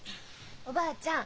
おばあちゃん。